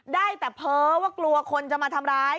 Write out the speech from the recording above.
ได้แต่เพ้อว่ากลัวคนจะมาทำร้าย